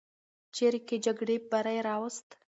چریکي جګړو بری راوست.